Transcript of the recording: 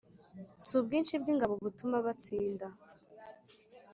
Subwinshi bwingabo butuma batsinda